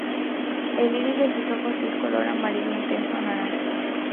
El iris de sus ojos es de color amarillo intenso o naranja.